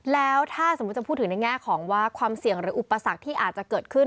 แล้วถ้าสมมุติจะพูดถึงในแง่ของว่าความเสี่ยงหรืออุปสรรคที่อาจจะเกิดขึ้น